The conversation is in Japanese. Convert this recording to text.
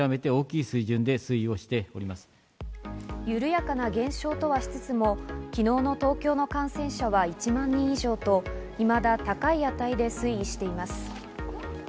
緩やかな減少とはしつつも、昨日の東京の感染者は１万人以上といまだ高い値で推移しています。